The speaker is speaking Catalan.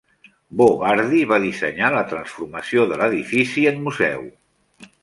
Bo Bardi va dissenyar la transformació de l'edifici en museu.